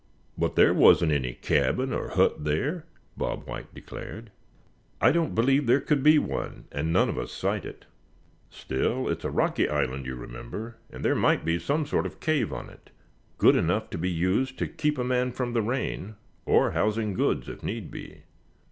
"But there wasn't any cabin or hut there?" Bob White declared. "I don't believe there could be one, and none of us sight it. Still, it's a rocky island, you remember, and there might be some sort of cave on it, good enough to be used to keep a man from the rain, or housing goods, if need be."